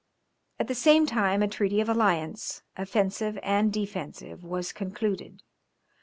At the same time a treaty of alliance, offensive and defensive was concluded.